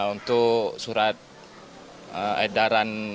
untuk surat edaran